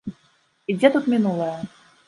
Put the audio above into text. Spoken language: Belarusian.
І дзе тут мінулае?